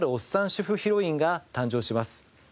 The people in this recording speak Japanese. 主婦ヒロインが誕生します。